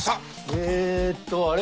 えっとあれ？